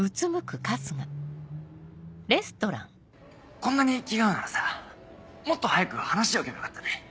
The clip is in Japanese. こんなに気が合うならさもっと早く話しておけばよかったね。